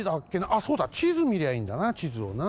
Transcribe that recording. あっそうだちずみりゃいいんだなちずをな。